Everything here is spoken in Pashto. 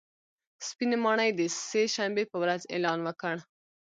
سپینې ماڼۍ د سې شنبې په ورځ اعلان وکړ